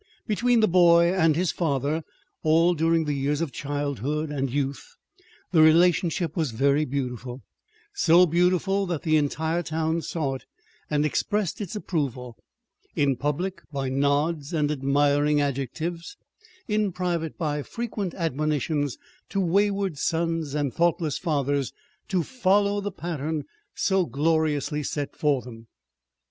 Between the boy and his father all during the years of childhood and youth, the relationship was very beautiful so beautiful that the entire town saw it and expressed its approval: in public by nods and admiring adjectives; in private by frequent admonitions to wayward sons and thoughtless fathers to follow the pattern so gloriously set for them.